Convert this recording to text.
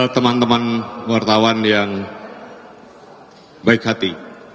teman teman wartawan yang baik hati